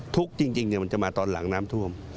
ทุกข์จริงมันจะมาตอนหลังน้ำท่วม